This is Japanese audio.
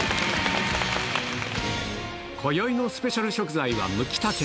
こよいのスペシャル食材はムキタケ。